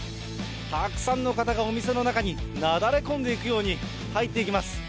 たくさんの方がお店の中になだれ込んでいくように入っていきます。